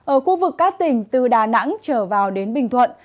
ở khu vực các tỉnh từ đà nẵng trở vào đến bình thuận